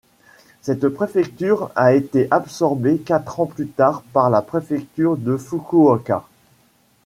Cette préfecture a été absorbée quatre ans plus tard par la préfecture de Fukuoka.